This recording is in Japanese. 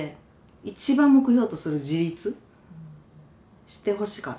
一番目標とする自立してほしかった。